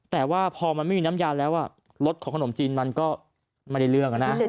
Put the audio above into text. แต่ว่าพอมันไม่มีน้ำยาแล้วรสของขนมจีนมันก็ไม่ได้เรื่องนะ